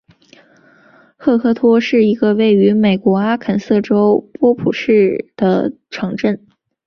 赫克托是一个位于美国阿肯色州波普县的城镇。